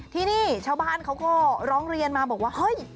ที่นี่ชาวบ้านเขาก็ร้องเรียนมาบอกว่าเฮ้ย